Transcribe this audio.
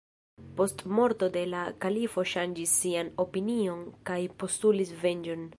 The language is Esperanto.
Post morto de la kalifo ŝanĝis sian opinion kaj postulis venĝon.